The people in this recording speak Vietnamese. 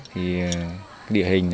thì địa hình